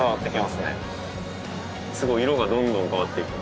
すごい色がどんどん変わっていく。